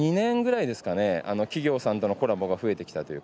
企業さんとのコラボが増えてきたという。